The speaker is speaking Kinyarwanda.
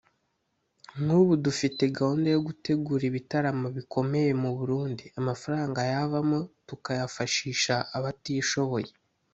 “Nk’ubu dufite gahunda yo gutegura ibitaramo bikomeye mu Burundi amafaranga yavamo tukayafashisha abatishoboye